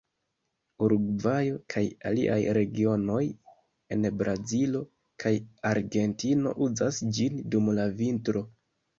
Urugvajo, kaj aliaj regionoj en Brazilo kaj Argentino uzas ĝin dum la vintro.